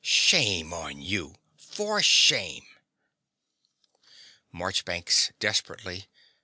Shame on you! For shame! MARCHBANKS (desperately).